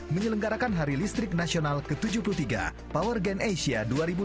menyelenggarakan hari listrik nasional ke tujuh puluh tiga power gen asia dua ribu delapan belas